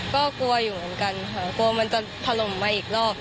ก็กลัวอยู่เหมือนกันค่ะกลัวมันจะถล่มมาอีกรอบ